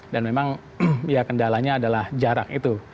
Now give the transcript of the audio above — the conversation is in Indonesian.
dan memang ya kendalanya adalah jarak itu